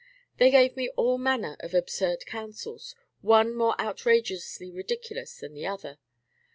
They gave me all manner of absurd counsels, one more outrageously ridiculous than the other.